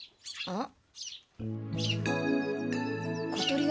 あっ！